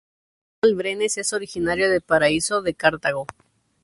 Randall Brenes es originario de Paraíso de Cartago.